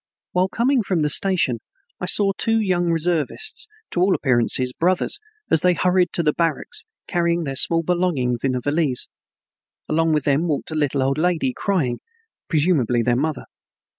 While coming from the station I saw two young reservists, to all appearances brothers, as they hurried to the barracks, carrying their small belongings in a valise. Along with them walked a little old lady crying, presumably their mother.